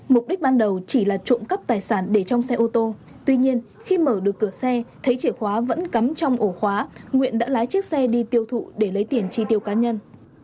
mục đích ban đầu chỉ là trộm cắp tài sản để trong xe ô tô tuy nhiên khi mở được cửa xe thấy chìa khóa vẫn cắm trong ổ khóa nguyện đã lái chiếc xe đi tiêu thụ để lấy tiền chi tiêu cá nhân